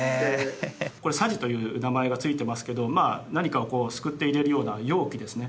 これ匙という名前が付いてますけどまあ何かをこうすくって入れるような容器ですね